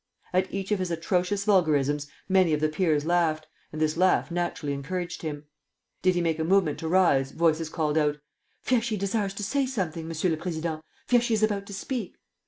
At each of his atrocious vulgarisms many of the Peers laughed, and this laugh naturally encouraged him. Did he make a movement to rise, voices called out: 'Fieschi desires to say something, Monsieur le Président! Fieschi is about to speak!'